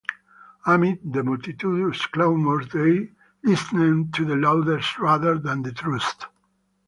Amid the multitudinous clamours, they listened to the loudest rather than the truest.